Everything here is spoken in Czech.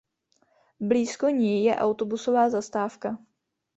Blízko ní je autobusová zastávka.